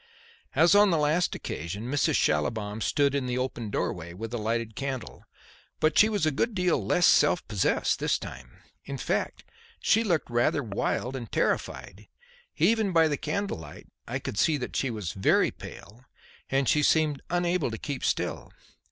As on the last occasion, Mrs. Schallibaum stood in the open doorway with a lighted candle. But she was a good deal less self possessed this time. In fact she looked rather wild and terrified. Even by the candle light I could see that she was very pale and she seemed unable to keep still.